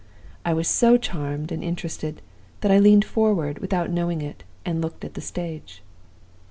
I was so charmed and interested that I leaned forward without knowing it, and looked at the stage.